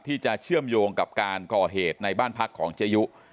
เชื่อมโยงกับการก่อเหตุในบ้านพักของเจยุ